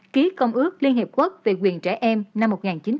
ký công ước liên hiệp quốc về quyền trẻ em năm một nghìn chín trăm chín mươi